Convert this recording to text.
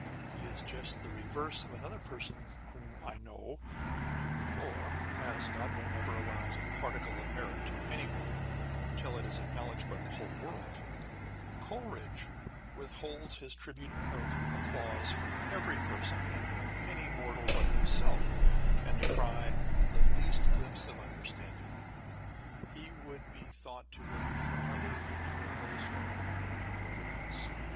He is just the reverse of another person whom I know â€" for, as Godwin never allows a particle of merit to anyone till it is acknowledged by the whole world, Coleridge withholds his tribute of applause from every person in whom any mortal but himself can descry the least glimpse of under standing. He would be thought to look farther into a millstone than anybody else.